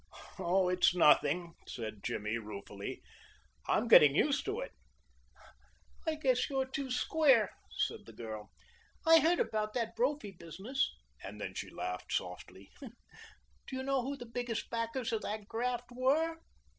"Oh, it's nothing," said Jimmy ruefully. "I'm getting used to it." "I guess you're too square," said the girl. "I heard about that Brophy business." And then she laughed softly. "Do you know who the biggest backers of that graft were?"